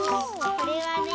これはね